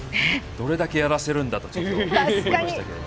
どれだけやらせるんだとちょっと思いましたけど。